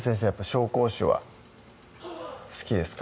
紹興酒は好きですか？